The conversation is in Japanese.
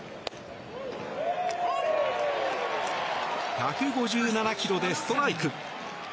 １５７ｋｍでストライク。